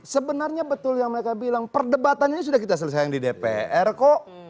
sebenarnya betul yang mereka bilang perdebatan ini sudah kita selesaikan di dpr kok